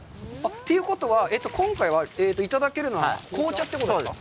ということは、今回はいただけるのは紅茶ってことですか。